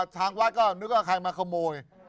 ทางวัดก็นึกว่าใครมาขโมย